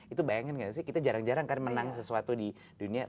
itu bayangin gak sih kita jarang jarang kan menang sesuatu di dunia